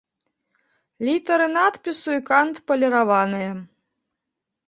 Літары надпісу і кант паліраваныя.